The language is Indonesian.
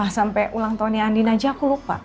sampai ulang tahunnya andin aja aku lupa